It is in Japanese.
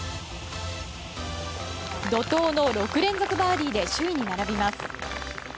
怒涛の６連続バーディーで首位に並びます。